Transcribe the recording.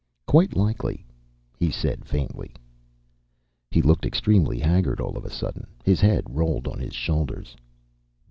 "Quite likely," he said, faintly. "He looked extremely haggard all of a sudden. His head rolled on his shoulders.